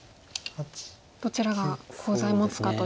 どちらがコウ材もつかという。